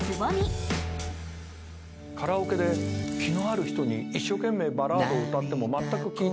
カラオケで気のある人に一生懸命バラードを歌ってもまったく聴いてない。